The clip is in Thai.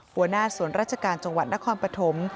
หัวหน้าส่วนราชการจังหวัดนครปฐม